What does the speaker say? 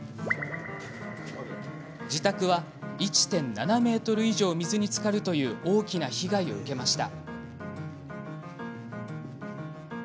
自宅は、１．７ｍ以上水につかるという大きな被害を受けました。